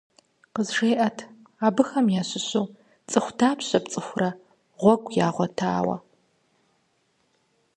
КъызжеӀэт: абыхэм ящыщу цӏыху дапщэ пцӀыхурэ гъуэгу ягъуэтауэ?